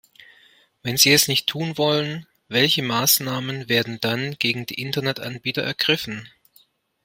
Wenn sie es nicht tun wollen, welche Maßnahmen werden dann gegen die Internet-Anbieter ergriffen?